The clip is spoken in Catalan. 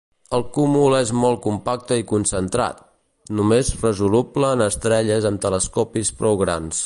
El cúmul és molt compacte i concentrat; només resoluble en estrelles amb telescopis prou grans.